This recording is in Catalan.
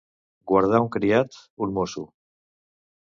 Guardar un criat, un mosso.